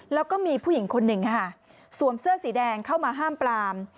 แล้วก็มีผู้หญิงคนหนึ่งสวมเสื้อสีแดงเข้ามาห้ามปลาม